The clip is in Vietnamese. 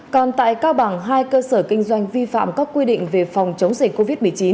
còn tại cao bằng hai cơ sở kinh doanh vi phạm các quy định về phòng chống dịch covid một mươi chín